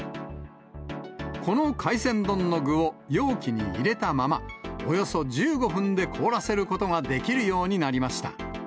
この海鮮丼の具を容器に入れたまま、およそ１５分で凍らせることができるようになりました。